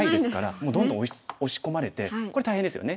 もうどんどん押し込まれてこれ大変ですよね。